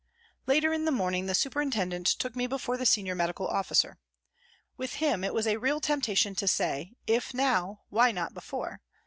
Later in the morning the superintendent took me before the Senior Medical Officer. With him it was a real temptation to say, " If now, why not before